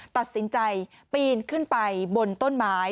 ตัดสินใจปีนขึ้นไปบนต้นไม้